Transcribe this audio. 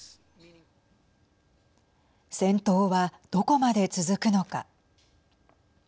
戦闘は、どこまで続くのか。